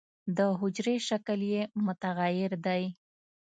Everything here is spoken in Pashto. د حجرې شکل یې متغیر دی.